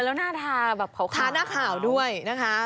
แล้วหน้าทาแบบขาวด้วยนะคะ